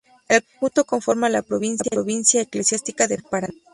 El conjunto conforma la provincia eclesiástica de Paraná.